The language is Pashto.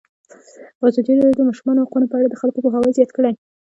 ازادي راډیو د د ماشومانو حقونه په اړه د خلکو پوهاوی زیات کړی.